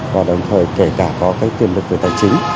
và đồng thời kể cả có cái tiền lực của tài chính